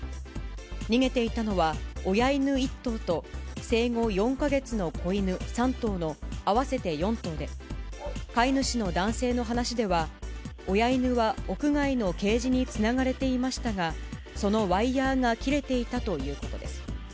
逃げていたのは親犬１頭と生後４か月の子犬３頭の合わせて４頭で、飼い主の男性の話では、親犬は屋外のケージにつながれていましたが、そのワイヤが切れていたということです。